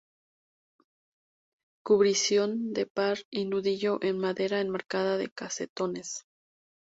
Cubrición de par y nudillo en madera enmarcada de casetones.